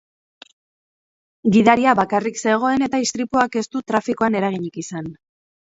Gidaria bakarrik zegoen eta istripuak ez du trafikoan eraginik izan.